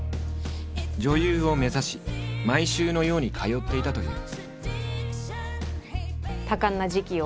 女優を目指し毎週のように通っていたという。